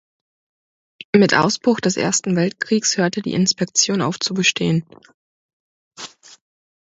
Mit Ausbruch des Ersten Weltkriegs hörte die Inspektion auf zu bestehen.